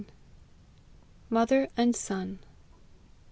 MOTHER AND SON.